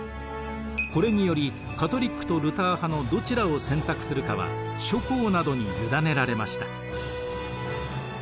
これによりカトリックとルター派のどちらを選択するかは諸侯などに委ねられました。